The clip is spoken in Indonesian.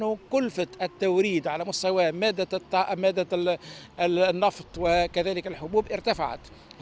karena kualitas penyelidikan kualitas nilai nilai dan kemampuan perniagaan berkembang